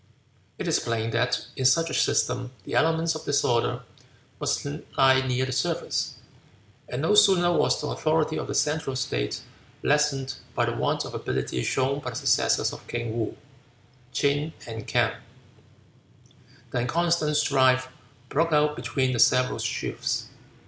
It is plain that in such a system the elements of disorder must lie near the surface; and no sooner was the authority of the central state lessened by the want of ability shown by the successors of kings Woo, Ching, and K'ang, than constant strife broke out between the several chiefs.